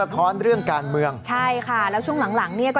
เข้าให้ไกลกว่าเดิม